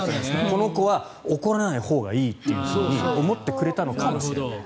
この子は怒らないほうがいいっていうふうに思ってくれたのかもしれない。